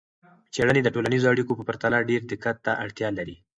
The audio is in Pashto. څیړنې د ټولنیزو اړیکو په پرتله ډیر دقت ته اړتیا لري.